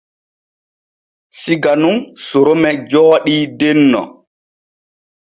Siga nun Sorome jooɗii denno.